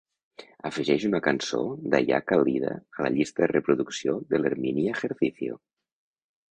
Afegeix una cançó d'Ayaka lida a la llista de reproducció de l'Herminia "Ejercicio".